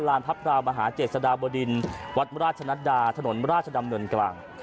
รานภักราวมหาเจชชาโดยบวดินวัฒนธรรมราชนัดาถนนมราชดำดนกลาง